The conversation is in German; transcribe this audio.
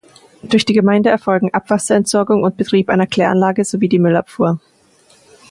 Durch die Gemeinde erfolgen Abwasserentsorgung und Betrieb einer Kläranlage sowie die Müllabfuhr.